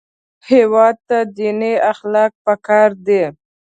هېواد ته دیني اخلاق پکار دي